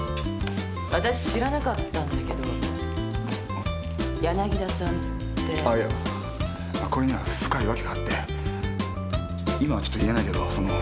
わたし知らなかったんだけど柳田さんって。あっいやこれには深い訳があって今はちょっと言えないけどその。